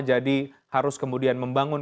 jadi harus kemudian membangun